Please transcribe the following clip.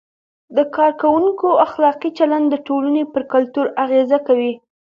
د کارکوونکو اخلاقي چلند د ټولنې پر کلتور اغیز کوي.